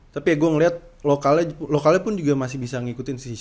tapi ya gue ngeliat lokalnya pun masih bisa ngikutin si jawa ini ya